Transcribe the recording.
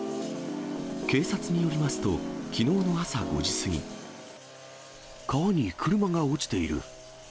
警察によりますと、川に車が落ちている。